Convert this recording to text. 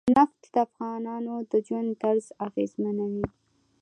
نفت د افغانانو د ژوند طرز اغېزمنوي.